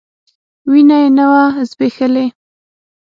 وينه يې نه وه ځبېښلې.